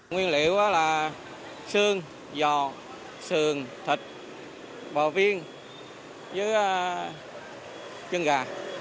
nguyên liệu là xương giò sườn thịt bò viên với chân gà